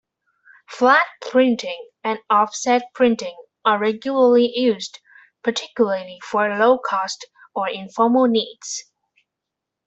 Flat printing and offset printing are regularly used, particularly for low-cost or informal needs.